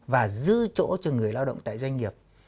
và giữ chỗ cho người lao động tại doanh nghiệp